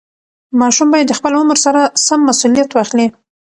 ماشوم باید د خپل عمر سره سم مسوولیت واخلي.